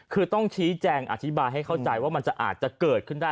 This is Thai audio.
คือต้องชี้แจงอธิบายให้เข้าใจว่ามันจะอาจจะเกิดขึ้นได้